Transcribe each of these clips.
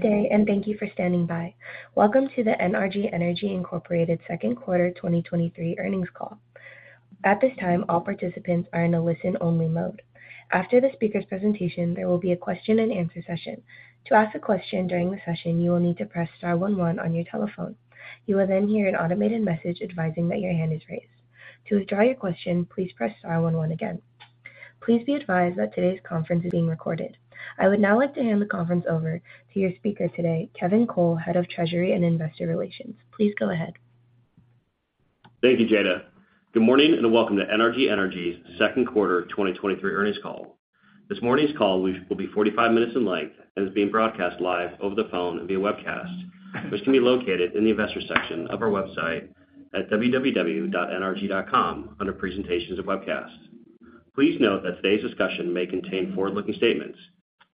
Good day, and thank you for standing by. Welcome to the NRG Energy Incorporated 2nd quarter 2023 earnings call. At this time, all participants are in a listen-only mode. After the speaker's presentation, there will be a question-and-answer session. To ask a question during the session, you will need to press star one one on your telephone. You will then hear an automated message advising that your hand is raised. To withdraw your question, please press star one one again. Please be advised that today's conference is being recorded. I would now like to hand the conference over to your speaker today, Kevin Cole, Head of Treasury and Investor Relations. Please go ahead. Thank you, Jada. Good morning, and welcome to NRG Energy's second quarter 2023 earnings call. This morning's call will be 45 minutes in length and is being broadcast live over the phone and via webcast, which can be located in the investor section of our website at www.nrg.com, under presentations and webcasts. Please note that today's discussion may contain forward-looking statements,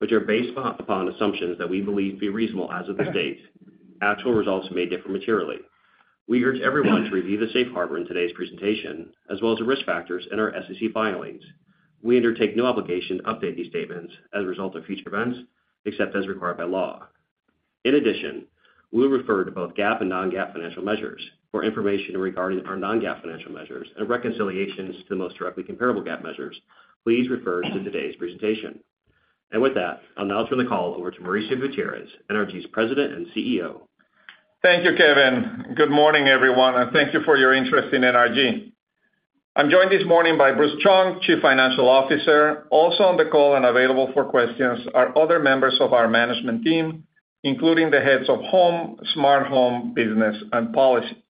which are based upon assumptions that we believe to be reasonable as of this date. Actual results may differ materially. We urge everyone to review the safe harbor in today's presentation, as well as the risk factors in our SEC filings. We undertake no obligation to update these statements as a result of future events, except as required by law. In addition, we'll refer to both GAAP and non-GAAP financial measures. For information regarding our non-GAAP financial measures and reconciliations to the most directly comparable GAAP measures, please refer to today's presentation. With that, I'll now turn the call over to Mauricio Gutierrez, NRG's President and CEO. Thank you, Kevin. Good morning, everyone, and thank you for your interest in NRG. I'm joined this morning by Bruce Chung, Chief Financial Officer. Also on the call and available for questions are other members of our management team, including the heads of Home, Smart Home, Business, and Policy.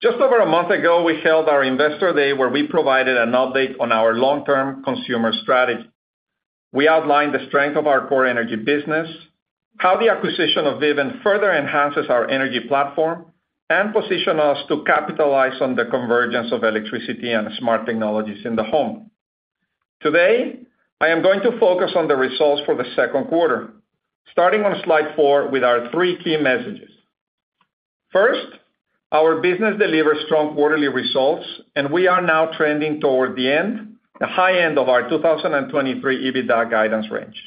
Just over a month ago, we held our Investor Day, where we provided an update on our long-term consumer strategy. We outlined the strength of our core energy business, how the acquisition of Vivint further enhances our energy platform, and position us to capitalize on the convergence of electricity and smart technologies in the home. Today, I am going to focus on the results for the second quarter, starting on slide four with our three key messages. First, our business delivers strong quarterly results, and we are now trending toward the end, the high end of our 2023 EBITDA guidance range.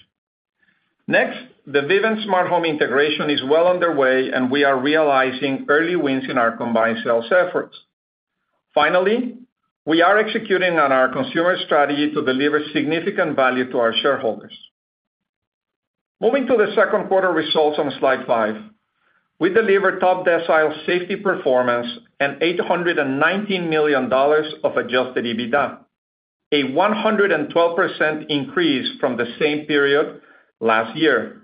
Next, the Vivint Smart Home integration is well underway, and we are realizing early wins in our combined sales efforts. Finally, we are executing on our consumer strategy to deliver significant value to our shareholders. Moving to the second quarter results on slide five. We delivered top decile safety performance and $819 million of adjusted EBITDA, a 112% increase from the same period last year,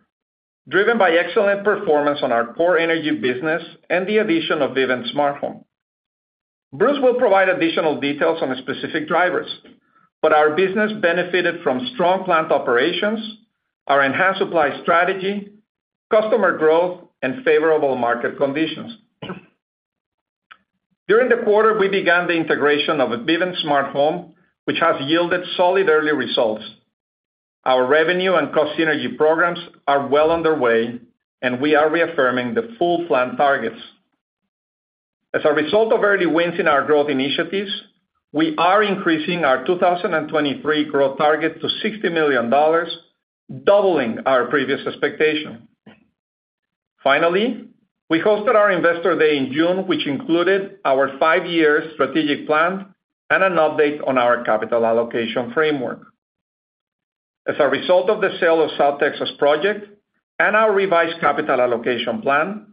driven by excellent performance on our core energy business and the addition of Vivint Smart Home. Bruce will provide additional details on the specific drivers, but our business benefited from strong plant operations, our enhanced supply strategy, customer growth, and favorable market conditions. During the quarter, we began the integration of Vivint Smart Home, which has yielded solid early results. Our revenue and cost synergy programs are well underway, and we are reaffirming the full plan targets. As a result of early wins in our growth initiatives, we are increasing our 2023 growth target to $60 million, doubling our previous expectation. Finally, we hosted our Investor Day in June, which included our five-year strategic plan and an update on our capital allocation framework. As a result of the sale of South Texas Project and our revised capital allocation plan,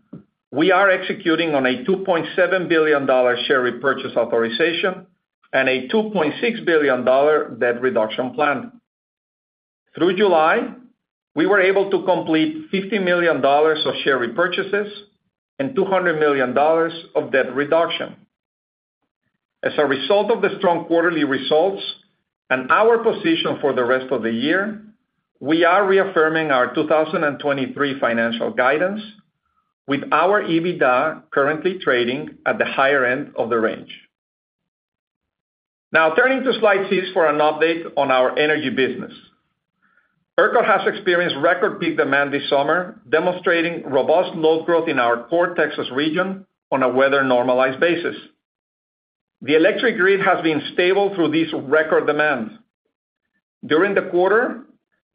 we are executing on a $2.7 billion share repurchase authorization and a $2.6 billion debt reduction plan. Through July, we were able to complete $50 million of share repurchases and $200 million of debt reduction. As a result of the strong quarterly results and our position for the rest of the year, we are reaffirming our 2023 financial guidance, with our EBITDA currently trading at the higher end of the range. Turning to slide six for an update on our energy business. ERCOT has experienced record peak demand this summer, demonstrating robust load growth in our core Texas region on a weather-normalized basis. The electric grid has been stable through these record demands. During the quarter,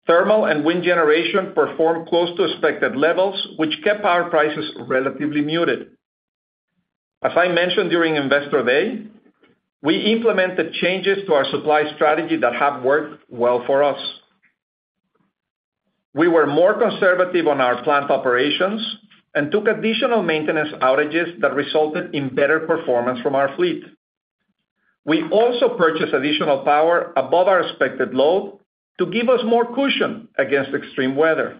thermal and wind generation performed close to expected levels, which kept our prices relatively muted. As I mentioned during Investor Day, we implemented changes to our supply strategy that have worked well for us. We were more conservative on our plant operations and took additional maintenance outages that resulted in better performance from our fleet. We also purchased additional power above our expected load to give us more cushion against extreme weather.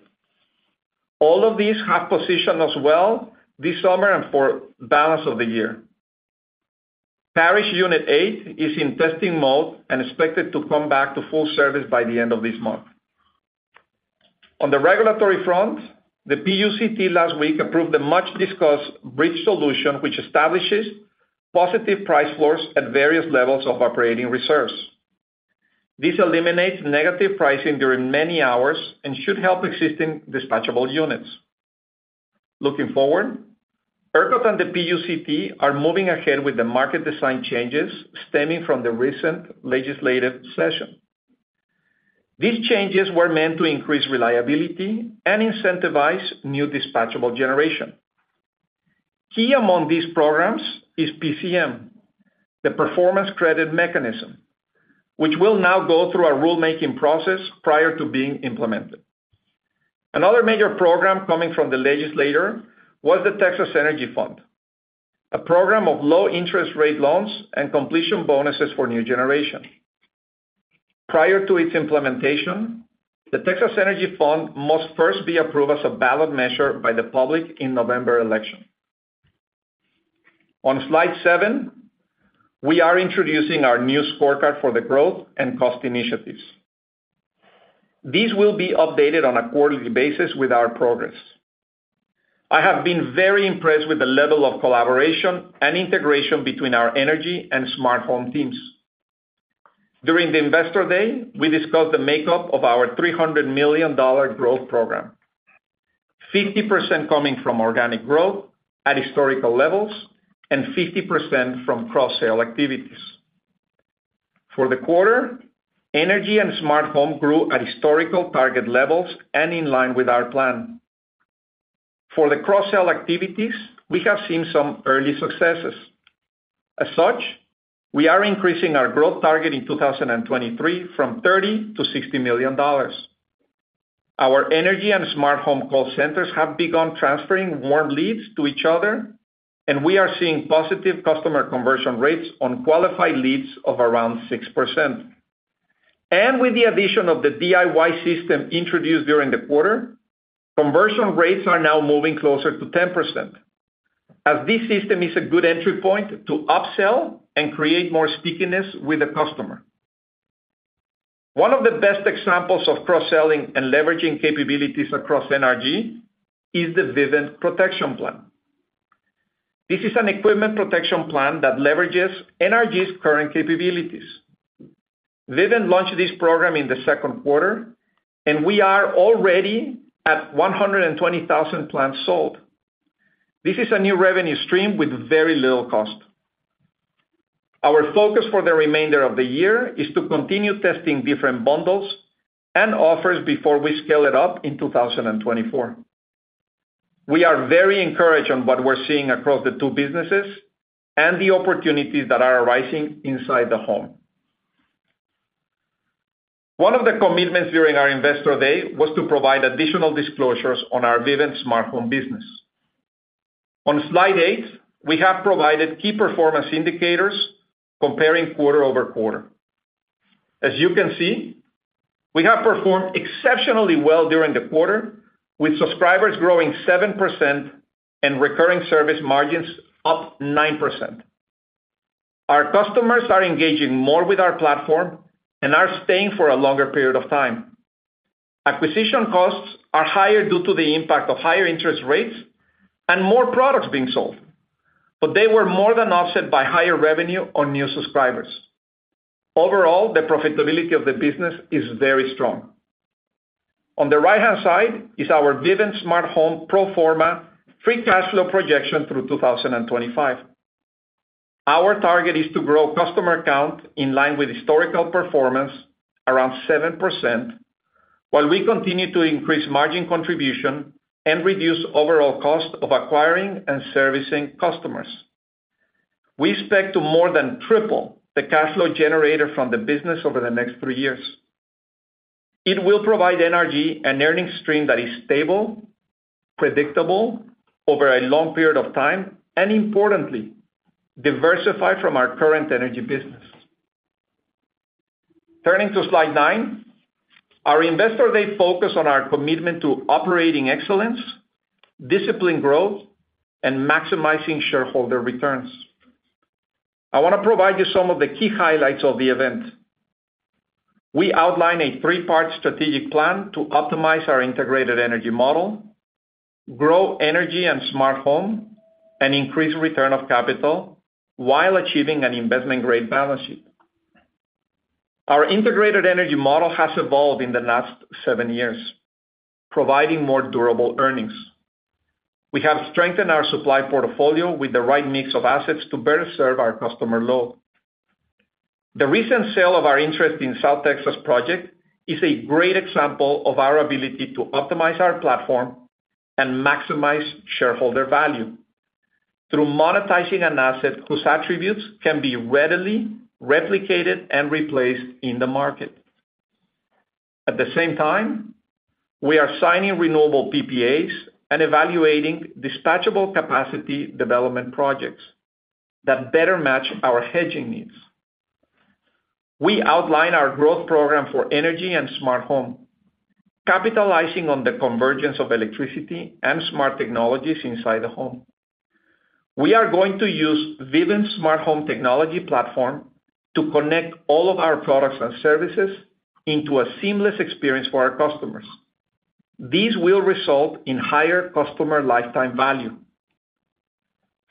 All of these have positioned us well this summer and for balance of the year. Parish Unit Eight is in testing mode and expected to come back to full service by the end of this month. On the regulatory front, the PUCT last week approved the much-discussed bridge solution, which establishes positive price floors at various levels of operating reserves. This eliminates negative pricing during many hours and should help existing dispatchable units. Looking forward, ERCOT and the PUCT are moving ahead with the market design changes stemming from the recent legislative session. These changes were meant to increase reliability and incentivize new dispatchable generation. Key among these programs is PCM, the Performance Credit Mechanism, which will now go through a rulemaking process prior to being implemented. Another major program coming from the legislator was the Texas Energy Fund, a program of low-interest rate loans and completion bonuses for new generation. Prior to its implementation, the Texas Energy Fund must first be approved as a ballot measure by the public in November election. On slide seven, we are introducing our new scorecard for the growth and cost initiatives. These will be updated on a quarterly basis with our progress. I have been very impressed with the level of collaboration and integration between our Energy and Smart Home teams. During the Investor Day, we discussed the makeup of our $300 million growth program, 50% coming from organic growth at historical levels and 50% from cross-sale activities. For the quarter, Energy and Smart Home grew at historical target levels and in line with our plan. For the cross-sell activities, we have seen some early successes. As such, we are increasing our growth target in 2023 from $30 million-$60 million. Our energy and Smart Home call centers have begun transferring warm leads to each other. We are seeing positive customer conversion rates on qualified leads of around 6%. With the addition of the DIY system introduced during the quarter, conversion rates are now moving closer to 10%, as this system is a good entry point to upsell and create more stickiness with the customer. One of the best examples of cross-selling and leveraging capabilities across NRG is the Vivint Protection Plan. This is an equipment protection plan that leverages NRG's current capabilities. Vivint launched this program in the second quarter, and we are already at 120,000 plans sold. This is a new revenue stream with very little cost. Our focus for the remainder of the year is to continue testing different bundles and offers before we scale it up in 2024. We are very encouraged on what we're seeing across the two businesses and the opportunities that are arising inside the home. One of the commitments during our Investor Day was to provide additional disclosures on our Vivint Smart Home business. On slide eight, we have provided key performance indicators comparing quarter-over-quarter. As you can see, we have performed exceptionally well during the quarter, with subscribers growing 7% and recurring service margins up 9%. Our customers are engaging more with our platform and are staying for a longer period of time. Acquisition costs are higher due to the impact of higher interest rates and more products being sold, but they were more than offset by higher revenue on new subscribers. Overall, the profitability of the business is very strong. On the right-hand side is our Vivint Smart Home pro forma free cash flow projection through 2025. Our target is to grow customer count in line with historical performance, around 7%, while we continue to increase margin contribution and reduce overall cost of acquiring and servicing customers. We expect to more than triple the cash flow generator from the business over the next three years. It will provide NRG an earning stream that is stable, predictable over a long period of time, and importantly, diversify from our current energy business. Turning to slide nine, our Investor Day focus on our commitment to operating excellence, disciplined growth, and maximizing shareholder returns. I want to provide you some of the key highlights of the event. We outline a three-part strategic plan to optimize our integrated energy model, grow energy and Smart Home, and increase return of capital while achieving an investment-grade balance sheet. Our integrated energy model has evolved in the last seven years, providing more durable earnings. We have strengthened our supply portfolio with the right mix of assets to better serve our customer load. The recent sale of our interest in South Texas Project is a great example of our ability to optimize our platform and maximize shareholder value through monetizing an asset whose attributes can be readily replicated and replaced in the market. At the same time, we are signing renewable PPAs and evaluating dispatchable capacity development projects that better match our hedging needs. We outline our growth program for energy and Smart Home, capitalizing on the convergence of electricity and smart technologies inside the home. We are going to use Vivint Smart Home technology platform to connect all of our products and services into a seamless experience for our customers. These will result in higher customer lifetime value.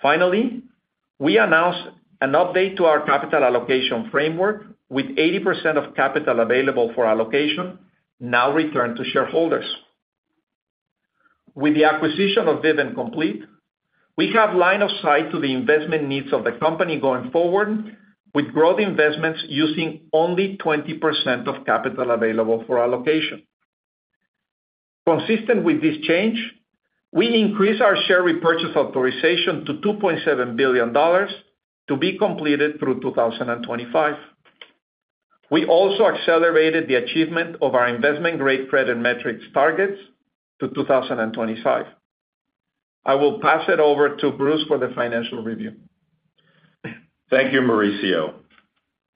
Finally, we announced an update to our capital allocation framework, with 80% of capital available for allocation now returned to shareholders. With the acquisition of Vivint complete, we have line of sight to the investment needs of the company going forward, with growth investments using only 20% of capital available for allocation. Consistent with this change, we increased our share repurchase authorization to $2.7 billion to be completed through 2025. We also accelerated the achievement of our investment-grade credit metrics targets to 2025. I will pass it over to Bruce for the financial review. Thank you, Mauricio.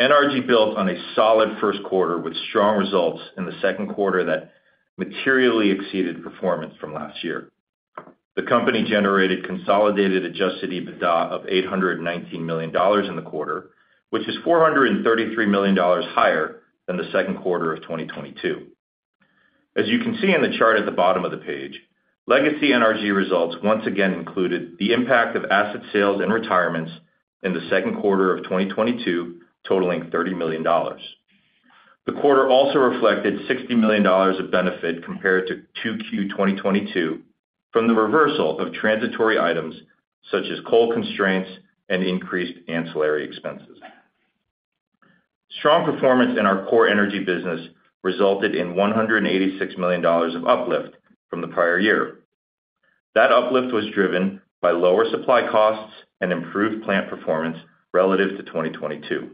NRG built on a solid first quarter with strong results in Q2 that materially exceeded performance from last year. The company generated consolidated adjusted EBITDA of $819 million in the quarter, which is $433 million higher than Q2 of 2022. As you can see in the chart at the bottom of the page, legacy NRG results once again included the impact of asset sales and retirements in Q2 of 2022, totaling $30 million. The quarter also reflected $60 million of benefit compared to 2Q 2022, from the reversal of transitory items such as coal constraints and increased ancillary expenses. Strong performance in our core energy business resulted in $186 million of uplift from the prior year. That uplift was driven by lower supply costs and improved plant performance relative to 2022.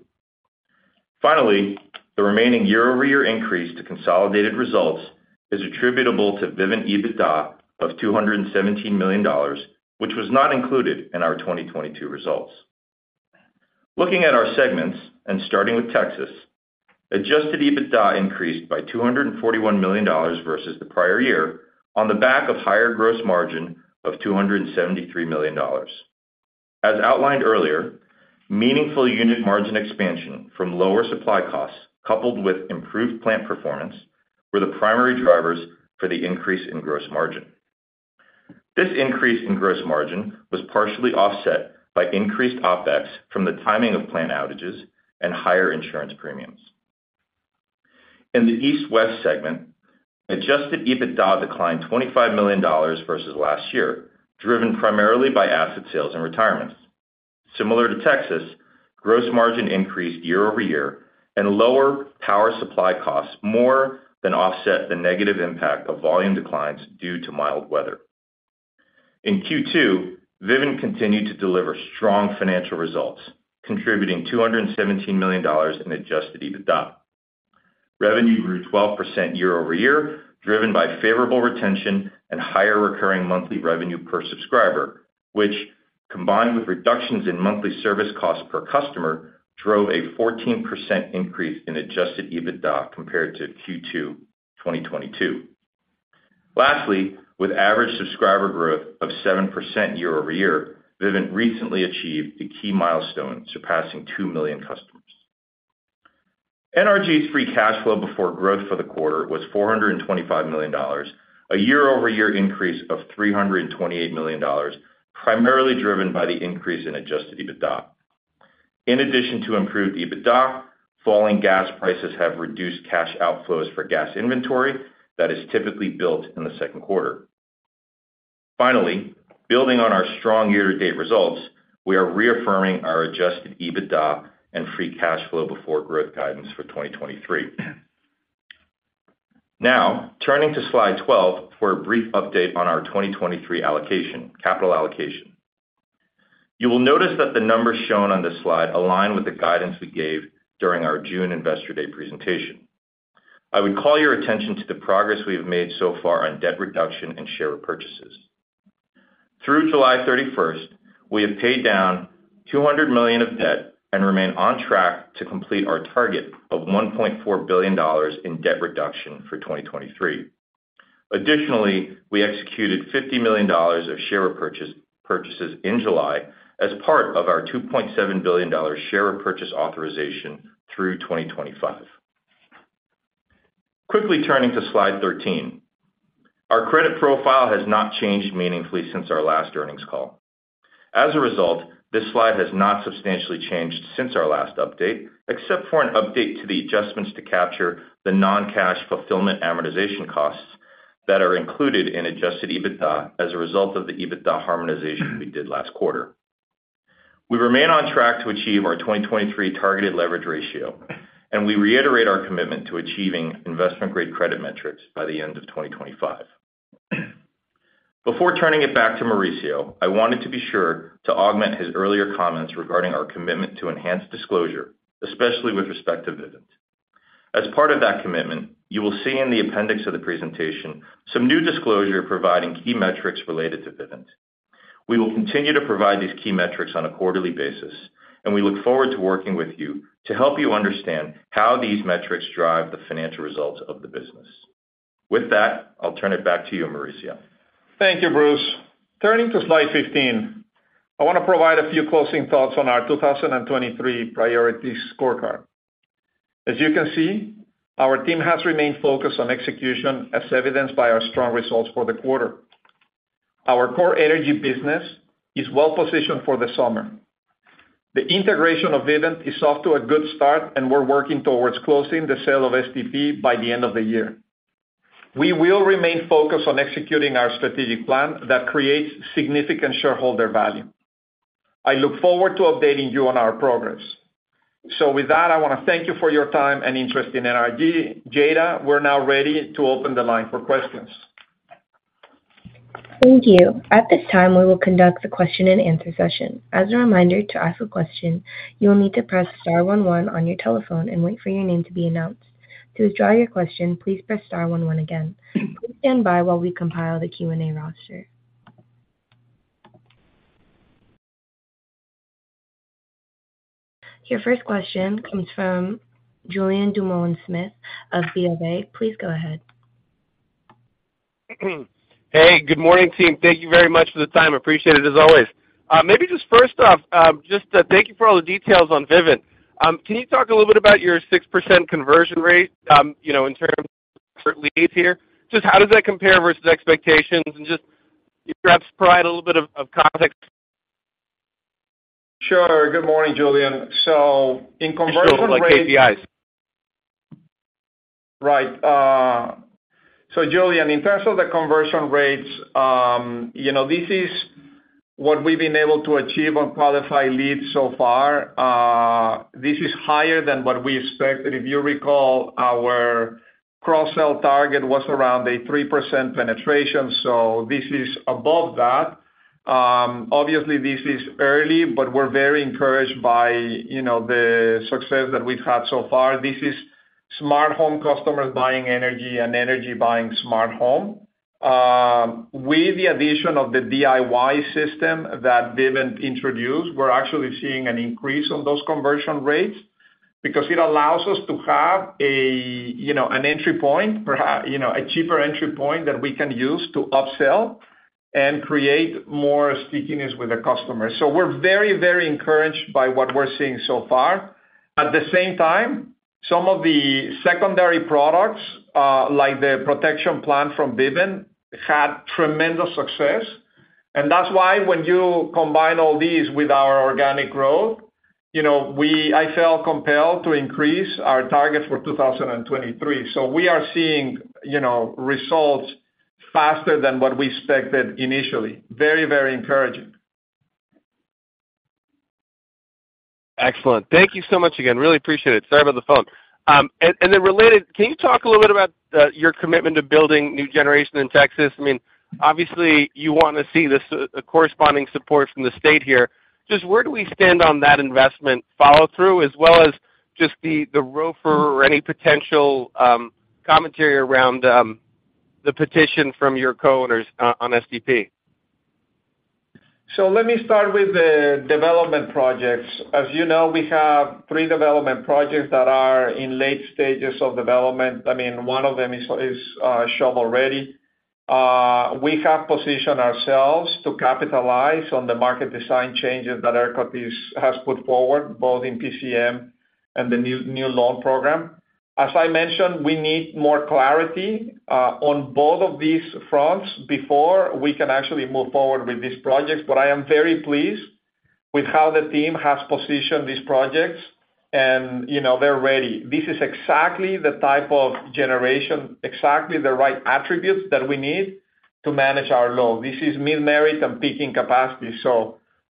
Finally, the remaining year-over-year increase to consolidated results is attributable to Vivint EBITDA of $217 million, which was not included in our 2022 results. Looking at our segments, and starting with Texas, adjusted EBITDA increased by $241 million versus the prior year, on the back of higher gross margin of $273 million. As outlined earlier, meaningful unit margin expansion from lower supply costs, coupled with improved plant performance, were the primary drivers for the increase in gross margin. This increase in gross margin was partially offset by increased OpEx from the timing of plant outages and higher insurance premiums. In the East/West segment, adjusted EBITDA declined $25 million versus last year, driven primarily by asset sales and retirements. Similar to Texas, gross margin increased year-over-year, and lower power supply costs more than offset the negative impact of volume declines due to mild weather. In Q2, Vivint continued to deliver strong financial results, contributing $217 million in adjusted EBITDA. Revenue grew 12% year-over-year, driven by favorable retention and higher recurring monthly revenue per subscriber, which, combined with reductions in monthly service costs per customer, drove a 14% increase in adjusted EBITDA compared to Q2 2022. Lastly, with average subscriber growth of 7% year-over-year, Vivint recently achieved a key milestone, surpassing 2 million customers. NRG's free cash flow before growth for the quarter was $425 million, a year-over-year increase of $328 million, primarily driven by the increase in adjusted EBITDA. In addition to improved EBITDA, falling gas prices have reduced cash outflows for gas inventory that is typically built in the second quarter. Finally, building on our strong year-to-date results, we are reaffirming our adjusted EBITDA and free cash flow before growth guidance for 2023. Now, turning to slide 12 for a brief update on our 2023 allocation, capital allocation. You will notice that the numbers shown on this slide align with the guidance we gave during our June Investor Day presentation. I would call your attention to the progress we have made so far on debt reduction and share repurchases. Through July 31st, we have paid down $200 million of debt and remain on track to complete our target of $1.4 billion in debt reduction for 2023. Additionally, we executed $50 million of share repurchases in July as part of our $2.7 billion share repurchase authorization through 2025. Quickly turning to slide 13. Our credit profile has not changed meaningfully since our last earnings call. As a result, this slide has not substantially changed since our last update, except for an update to the adjustments to capture the non-cash fulfillment amortization costs that are included in adjusted EBITDA as a result of the EBITDA harmonization we did last quarter. We remain on track to achieve our 2023 targeted leverage ratio, and we reiterate our commitment to achieving investment-grade credit metrics by the end of 2025. Before turning it back to Mauricio, I wanted to be sure to augment his earlier comments regarding our commitment to enhanced disclosure, especially with respect to Vivint. As part of that commitment, you will see in the appendix of the presentation some new disclosure providing key metrics related to Vivint. We will continue to provide these key metrics on a quarterly basis. We look forward to working with you to help you understand how these metrics drive the financial results of the business. With that, I'll turn it back to you, Mauricio. Thank you, Bruce. Turning to slide 15, I want to provide a few closing thoughts on our 2023 priority scorecard. As you can see, our team has remained focused on execution, as evidenced by our strong results for the quarter. Our core energy business is well positioned for the summer. The integration of Vivint is off to a good start, and we're working towards closing the sale of STP by the end of the year. We will remain focused on executing our strategic plan that creates significant shareholder value. I look forward to updating you on our progress. With that, I wanna thank you for your time and interest in NRG. Jada, we're now ready to open the line for questions. Thank you. At this time, we will conduct the question-and-answer session. As a reminder, to ask a question, you will need to press star one one on your telephone and wait for your name to be announced. To withdraw your question, please press star one one again. Please stand by while we compile the Q&A roster. Your first question comes from Julien Dumoulin-Smith of BofA. Please go ahead. Hey, good morning, team. Thank you very much for the time. Appreciate it as always. Maybe just first off, just to thank you for all the details on Vivint. Can you talk a little bit about your 6% conversion rate, you know, in terms of leads here? Just how does that compare versus expectations? Just you perhaps provide a little bit of context. Sure. Good morning, Julien. Like KPIs. Right. Julian, in terms of the conversion rates, you know, this is what we've been able to achieve on qualified leads so far. This is higher than what we expected. If you recall, our cross-sell target was around a 3% penetration, so this is above that. Obviously, this is early, but we're very encouraged by, you know, the success that we've had so far. This is Smart Home customers buying energy and energy buying Smart Home. With the addition of the DIY system that Vivint introduced, we're actually seeing an increase on those conversion rates because it allows us to have a, you know, an entry point, perhaps, you know, a cheaper entry point that we can use to upsell and create more stickiness with the customers. We're very, very encouraged by what we're seeing so far. At the same time, some of the secondary products, like the protection plan from Vivint, had tremendous success. That's why when you combine all these with our organic growth, you know, I felt compelled to increase our target for 2023. We are seeing, you know, results faster than what we expected initially. Very, very encouraging. Excellent. Thank you so much again. Really appreciate it. Sorry about the phone. Then related, can you talk a little bit about your commitment to building new generation in Texas? I mean, obviously, you wanna see this corresponding support from the state here. Just where do we stand on that investment follow-through, as well as just the ROFR or any potential commentary around the petition from your co-owners on STP? Let me start with the development projects. As you know, we have three development projects that are in late stages of development. I mean, one of them is, is shovel-ready. We have positioned ourselves to capitalize on the market design changes that ERCOT has put forward, both in PCM and the new, new loan program. As I mentioned, we need more clarity on both of these fronts before we can actually move forward with these projects. I am very pleased with how the team has positioned these projects, and, you know, they're ready. This is exactly the type of generation, exactly the right attributes that we need to manage our load. This is mid-merit and peaking capacity,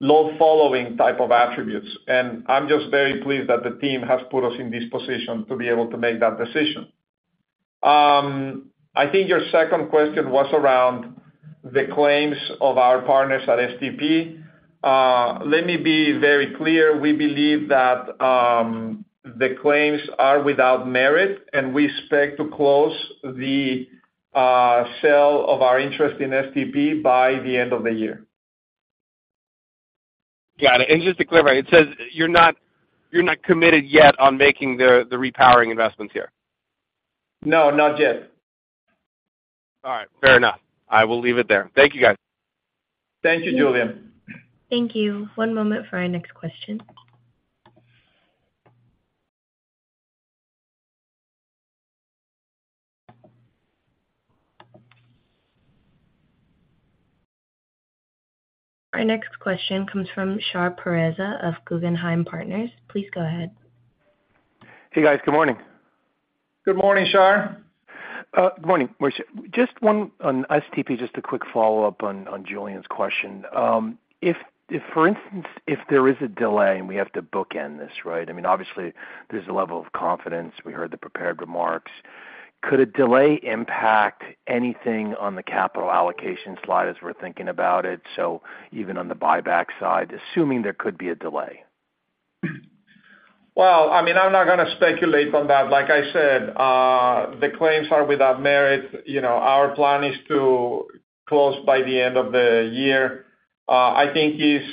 so load-following type of attributes. I'm just very pleased that the team has put us in this position to be able to make that decision. I think your second question was around the claims of our partners at STP. Let me be very clear. We believe that the claims are without merit. We expect to close the sale of our interest in STP by the end of the year. Got it. Just to clarify, it says you're not, you're not committed yet on making the, the repowering investments here? No, not yet. All right. Fair enough. I will leave it there. Thank you, guys. Thank you, Julian. Thank you. One moment for our next question. Our next question comes from Shar Pourreza of Guggenheim Partners. Please go ahead. Hey, guys. Good morning. Good morning, Shar. Good morning, Mauricio. Just one on STP, just a quick follow-up on Julian's question. If, for instance, there is a delay, and we have to bookend this, right? I mean, obviously, there's a level of confidence. We heard the prepared remarks. Could a delay impact anything on the capital allocation slide as we're thinking about it, so even on the buyback side, assuming there could be a delay? Well, I mean, I'm not gonna speculate on that. Like I said, the claims are without merit. You know, our plan is to close by the end of the year. I think it's,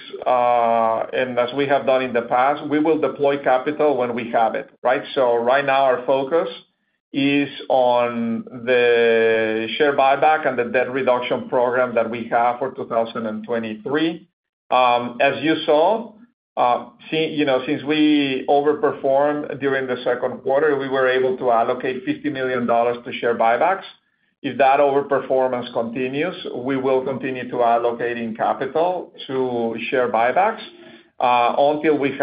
and as we have done in the past, we will deploy capital when we have it, right? Right now, our focus is on the share buyback and the debt reduction program that we have for 2023. As you saw, see, you know, since we overperformed during the second quarter, we were able to allocate $50 million to share buybacks. If that overperformance continues, we will continue to allocating capital to share buybacks, until we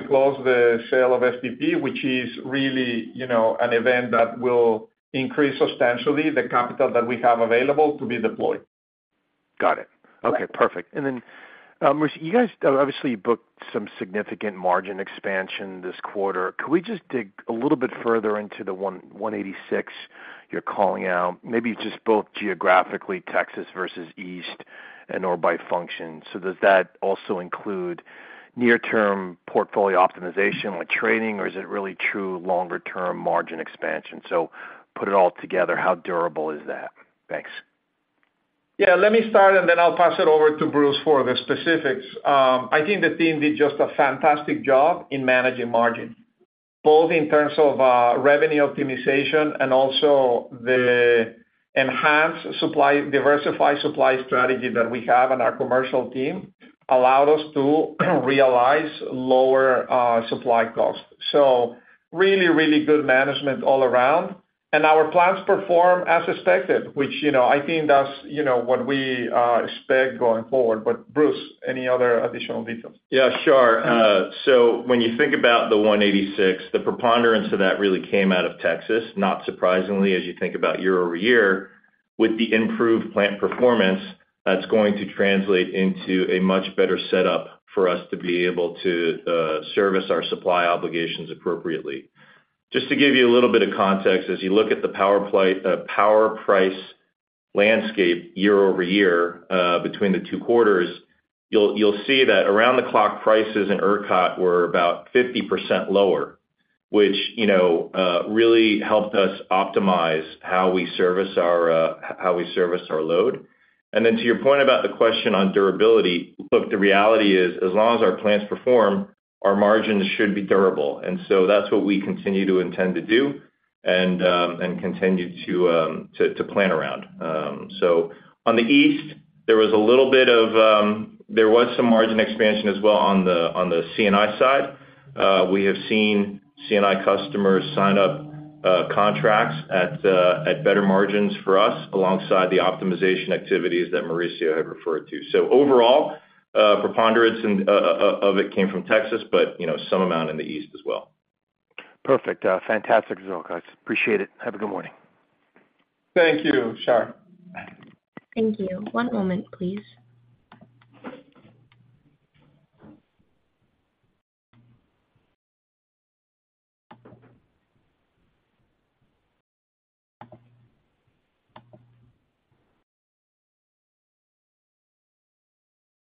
close the sale of STP, which is really, you know, an event that will increase substantially the capital that we have available to be deployed. Got it. Okay, perfect. Then, Mauricio, you guys obviously booked some significant margin expansion this quarter. Could we just dig a little bit further into the 186 you're calling out? Maybe just both geographically, Texas versus East and/or by function. Does that also include near-term portfolio optimization, like trading, or is it really true longer-term margin expansion? Put it all together, how durable is that? Thanks. Yeah, let me start, and then I'll pass it over to Bruce for the specifics. I think the team did just a fantastic job in managing margin, both in terms of revenue optimization and also the diversified supply strategy that we have on our commercial team, allowed us to realize lower supply costs. Really, really good management all around. Our plans perform as expected, which, you know, I think that's, you know, what we expect going forward. Bruce, any other additional details? Yeah, sure. When you think about the 186, the preponderance of that really came out of Texas, not surprisingly, as you think about year-over-year, with the improved plant performance, that's going to translate into a much better setup for us to be able to service our supply obligations appropriately. Just to give you a little bit of context, as you look at the power price landscape year-over-year between the two quarters, you'll, you'll see that around the clock, prices in ERCOT were about 50% lower, which, you know, really helped us optimize how we service our, how we service our load. To your point about the question on durability, look, the reality is, as long as our plants perform, our margins should be durable. That's what we continue to intend to do and continue to plan around. On the East, there was a little bit of, there was some margin expansion as well on the, on the C&I side. We have seen C&I customers sign up contracts at better margins for us, alongside the optimization activities that Mauricio had referred to. Overall, preponderance and of it came from Texas, but, you know, some amount in the East as well. Perfect. fantastic results, guys. Appreciate it. Have a good morning. Thank you, Shar. Thank you. One moment, please.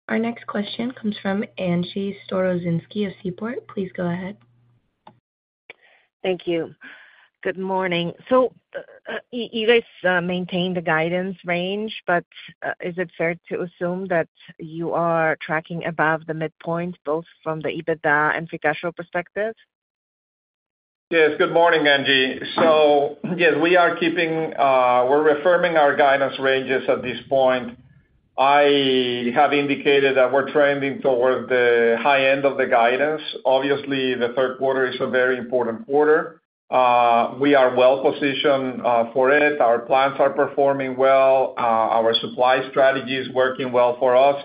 Our next question comes from Angie Storozynski of Seaport. Please go ahead. Thank you. Good morning. You, you guys, maintained the guidance range, but, is it fair to assume that you are tracking above the midpoint, both from the EBITDA and financial perspective? Yes, good morning, Angie. Yes, we are keeping, we're reaffirming our guidance ranges at this point. I have indicated that we're trending towards the high end of the guidance. Obviously, the third quarter is a very important quarter. We are well positioned for it. Our plans are performing well. Our supply strategy is working well for us,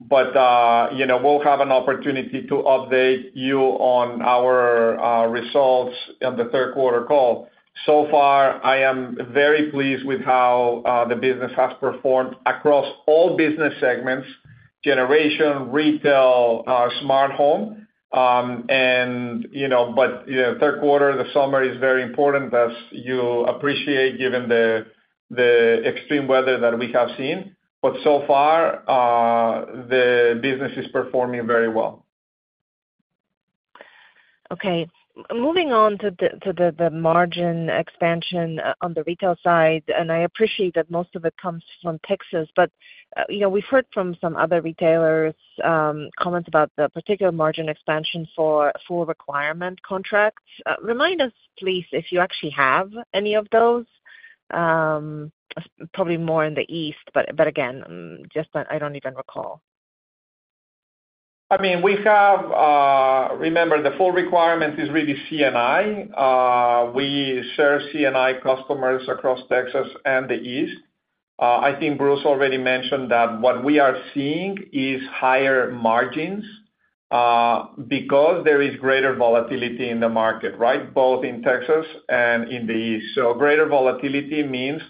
but, you know, we'll have an opportunity to update you on our results in the third quarter call. So far, I am very pleased with how the business has performed across all business segments, generation, retail, Smart Home. You know, but, you know, third quarter, the summer is very important, as you appreciate, given the extreme weather that we have seen. So far, the business is performing very well. Okay. Moving on to the margin expansion on the retail side, and I appreciate that most of it comes from Texas, but, you know, we've heard from some other retailers, comment about the particular margin expansion for full requirement contracts. Remind us, please, if you actually have any of those, probably more in the East, but again, just that I don't even recall? I mean, we have, remember, the full requirement is really C&I. We serve C&I customers across Texas and the East. I think Bruce already mentioned that what we are seeing is higher margins, because there is greater volatility in the market, right? Both in Texas and in the East. Greater volatility means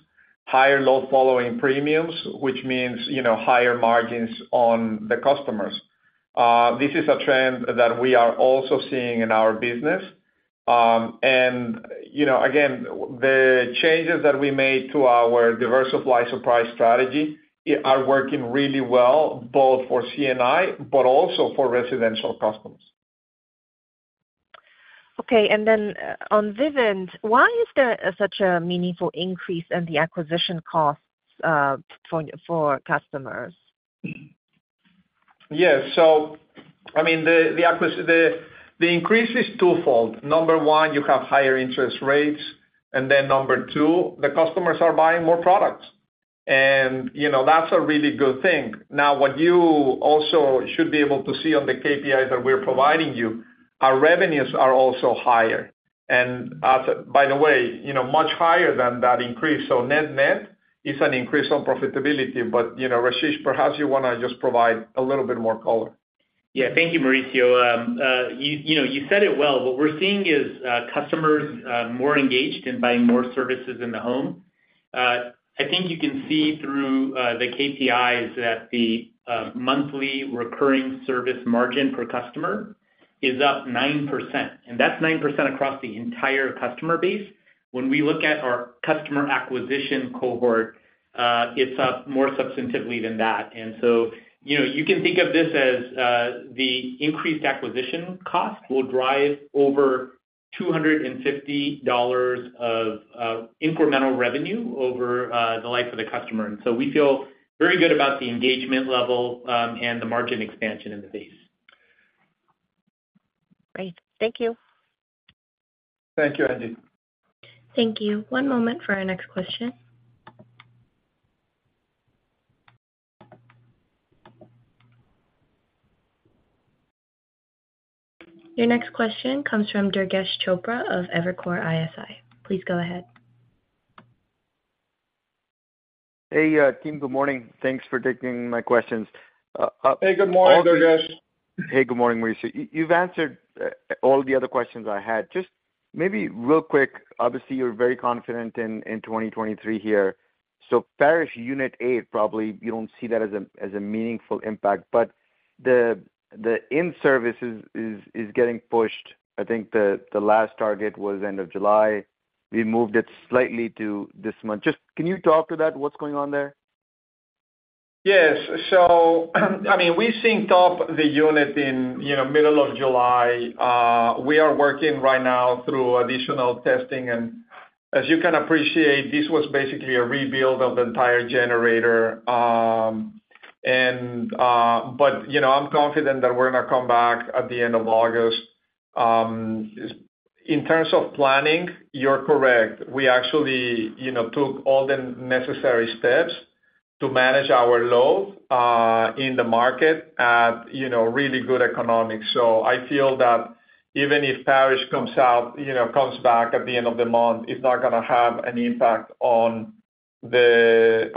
higher load following premiums, which means, you know, higher margins on the customers. This is a trend that we are also seeing in our business. You know, again, the changes that we made to our diverse supply surprise strategy are working really well, both for C&I, but also for residential customers. Okay. Then on Vivint, why is there such a meaningful increase in the acquisition costs, for, for customers? Yes. I mean, the, the increase is twofold. Number one, you have higher interest rates, number two, the customers are buying more products. You know, that's a really good thing. Now, what you also should be able to see on the KPIs that we're providing you, our revenues are also higher. By the way, you know, much higher than that increase. Net-net is an increase on profitability. You know, Ashish, perhaps you wanna just provide a little bit more color. Yeah. Thank you, Mauricio. You know, you said it well. What we're seeing is customers more engaged in buying more services in the home. I think you can see through the KPIs that the monthly recurring service margin per customer is up 9%, and that's 9% across the entire customer base. When we look at our customer acquisition cohort, it's up more substantively than that. So, you know, you can think of this as the increased acquisition cost will drive over $250 of incremental revenue over the life of the customer. So we feel very good about the engagement level and the margin expansion in the base. Great. Thank you. Thank you, Angie. Thank you. One moment for our next question. Your next question comes from Durgesh Chopra of Evercore ISI. Please go ahead. Hey, team, good morning. Thanks for taking my questions. Hey, good morning, Durgesh. Hey, good morning, Mauricio. Y- you've answered all the other questions I had. Just maybe real quick, obviously, you're very confident in 2023 here. Parish Unit eight, probably you don't see that as a meaningful impact, but the in-service is getting pushed. I think the last target was end of July. We moved it slightly to this month. Just can you talk to that? What's going on there? Yes. I mean, we synced up the unit in, you know, middle of July. We are working right now through additional testing, and as you can appreciate, this was basically a rebuild of the entire generator. And, but, you know, I'm confident that we're gonna come back at the end of August. In terms of planning, you're correct. We actually, you know, took all the necessary steps to manage our load in the market at, you know, really good economics. I feel that even if Parish comes out, you know, comes back at the end of the month, it's not gonna have an impact on the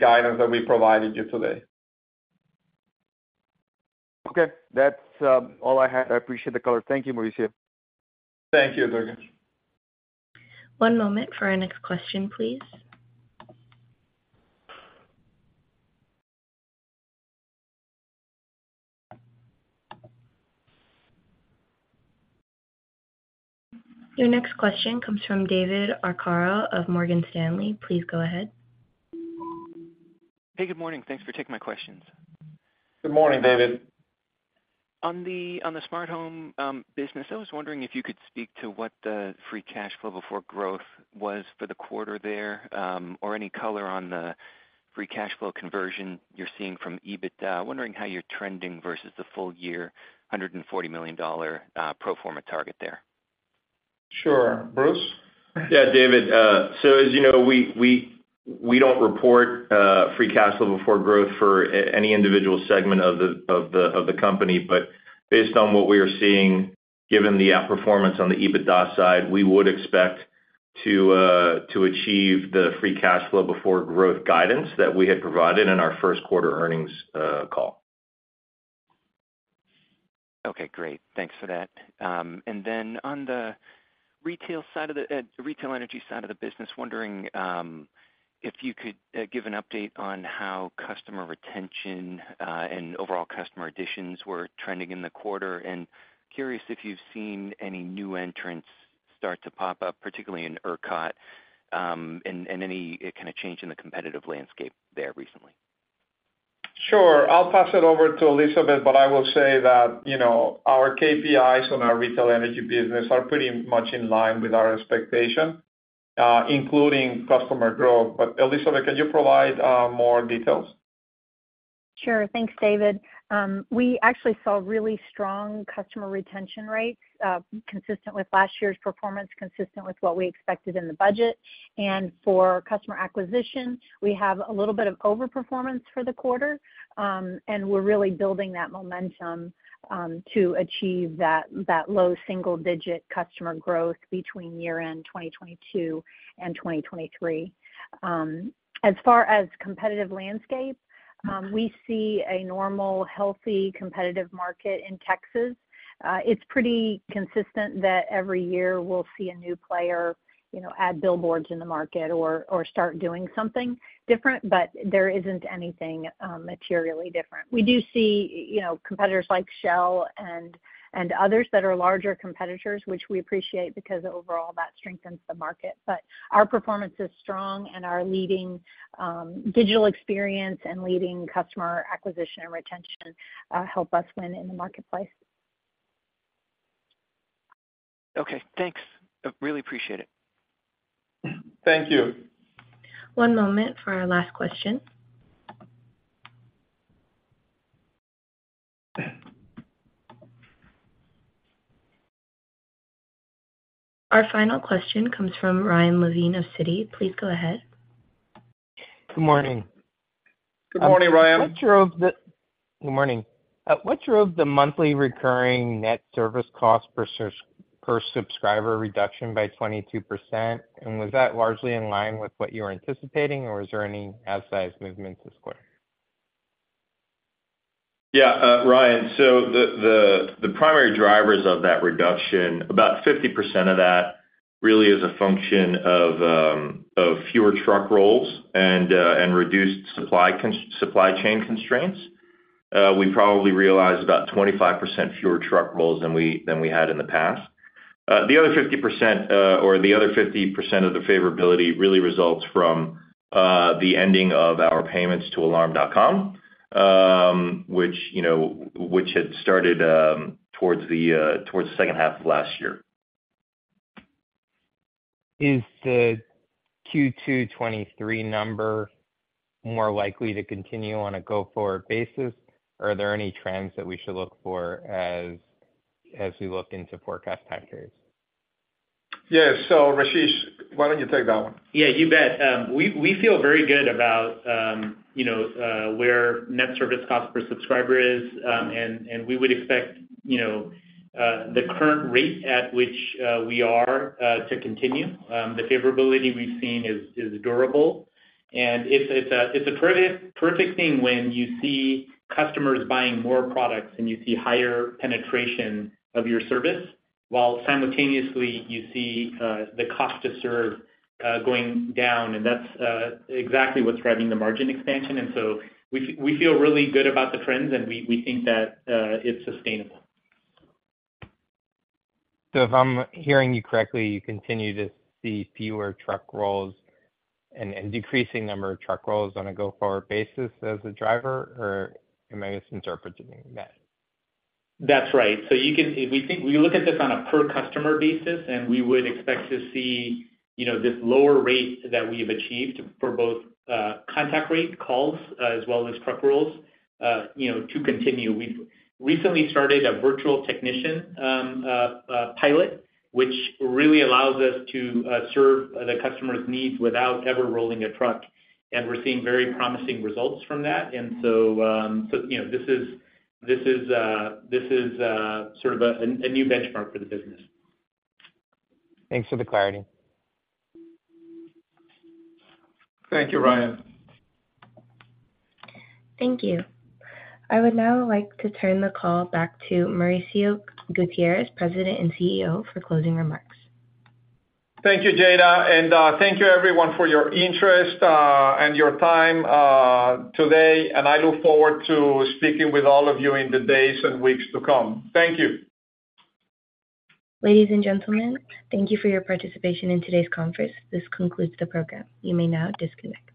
guidance that we provided you today. Okay. That's all I had. I appreciate the color. Thank you, Mauricio. Thank you, Durgesh. One moment for our next question, please. Your next question comes from David Arcaro of Morgan Stanley. Please go ahead. Hey, good morning. Thanks for taking my questions. Good morning, David. On the Smart Home business, I was wondering if you could speak to what the free cash flow before growth was for the quarter there, or any color on the free cash flow conversion you're seeing from EBITDA. Wondering how you're trending versus the full year, $140 million pro forma target there. Sure. Bruce? Yeah, David. As you know, we don't report free cash flow before growth for any individual segment of the company, but based on what we are seeing, given the outperformance on the EBITDA side, we would expect to achieve the free cash flow before growth guidance that we had provided in our first quarter earnings call. Okay, great. Thanks for that. And then on the retail energy side of the business, wondering if you could give an update on how customer retention and overall customer additions were trending in the quarter, and curious if you've seen any new entrants start to pop up, particularly in ERCOT, and any kind of change in the competitive landscape there recently? Sure. I'll pass it over to Elizabeth, but I will say that, you know, our KPIs on our retail energy business are pretty much in line with our expectation, including customer growth. Elizabeth, can you provide, more details? Sure. Thanks, David. We actually saw really strong customer retention rates, consistent with last year's performance, consistent with what we expected in the budget. For customer acquisition, we have a little bit of overperformance for the quarter, and we're really building that momentum to achieve that, that low single digit customer growth between year-end 2022 and 2023. As far as competitive landscape, we see a normal, healthy, competitive market in Texas. It's pretty consistent that every year we'll see a new player, you know, add billboards in the market or, or start doing something different, but there isn't anything materially different. We do see, you know, competitors like Shell and others that are larger competitors, which we appreciate because overall that strengthens the market. Our performance is strong, and our leading digital experience and leading customer acquisition and retention help us win in the marketplace. Okay, thanks. I really appreciate it. Thank you. One moment for our last question. Our final question comes from Ryan Levine of Citi. Please go ahead. Good morning. Good morning, Ryan. Good morning. What drove the monthly recurring net service cost per subscriber reduction by 22%? Was that largely in line with what you were anticipating, or is there any outsized movements this quarter? Yeah, Ryan, the primary drivers of that reduction, about 50% of that really is a function of fewer truck rolls and reduced supply chain constraints. We probably realized about 25% fewer truck rolls than we, than we had in the past. The other 50%, or the other 50% of the favorability really results from the ending of our payments to Alarm.com, which, you know, which had started towards the second half of last year. Is the Q2 2023 number more likely to continue on a go-forward basis? Are there any trends that we should look for as we look into forecast time periods? Yeah. Ashish, why don't you take that one? Yeah, you bet. We, we feel very good about, you know, where net service cost per subscriber is. We would expect, you know, the current rate at which we are to continue. The favorability we've seen is, is durable, and it's, it's a, it's a perfect, perfect thing when you see customers buying more products and you see higher penetration of your service, while simultaneously you see the cost to serve going down, and that's exactly what's driving the margin expansion. We, we feel really good about the trends, and we, we think that it's sustainable. If I'm hearing you correctly, you continue to see fewer truck rolls and decreasing number of truck rolls on a go-forward basis as a driver, or am I misinterpreting that? That's right. So you can... If we look at this on a per customer basis, and we would expect to see, you know, this lower rate that we've achieved for both, contact rate calls as well as truck rolls, you know, to continue. We've recently started a virtual technician pilot, which really allows us to serve the customer's needs without ever rolling a truck, and we're seeing very promising results from that. You know, this is, this is, sort of a, a new benchmark for the business. Thanks for the clarity. Thank you, Ryan. Thank you. I would now like to turn the call back to Mauricio Gutierrez, President and CEO, for closing remarks. Thank you, Jada, and thank you everyone for your interest, and your time today, and I look forward to speaking with all of you in the days and weeks to come. Thank you. Ladies and gentlemen, thank you for your participation in today's conference. This concludes the program. You may now disconnect.